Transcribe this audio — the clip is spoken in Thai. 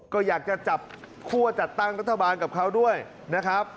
ก็อยากจะจับคั่วจัดตั้งรัฐบาลกับเขาด้วยนะครับ